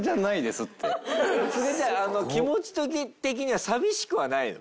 すがちゃん気持ち的には寂しくはないの？